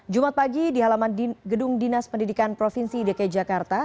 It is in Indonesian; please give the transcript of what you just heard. jumat pagi di halaman gedung dinas pendidikan provinsi dki jakarta